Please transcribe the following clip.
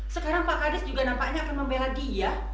sekarang pak kades juga nampaknya akan membela dia